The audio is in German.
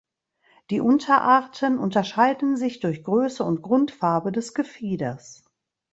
Die Unterarten unterscheiden sich durch Größe und Grundfarbe des Gefieders.